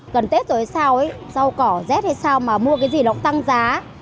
gần tết rồi hay sao rau cỏ rét hay sao mà mua cái gì nó cũng tăng giá